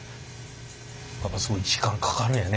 やっぱすごい時間かかるんやね。